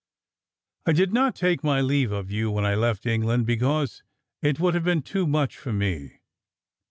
"I did not take my leave of you when I left England, because it would have been too much for me.